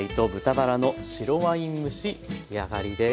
出来上がりです。